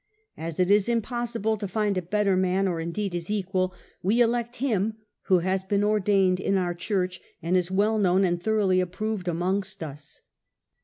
As it is impossible to find a better man, or, indeed, his equal, we elect him who has been ordained in our Church, and is well known and thoroughly ap proved amongst us.'